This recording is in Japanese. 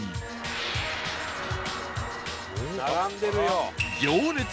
並んでるよ！